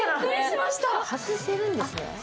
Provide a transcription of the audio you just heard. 外せるんですね